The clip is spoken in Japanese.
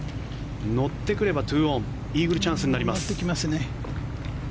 乗ってくれば２オンイーグルチャンスになります。